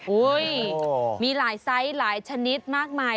มีหลายไซส์หลายชนิดมากมาย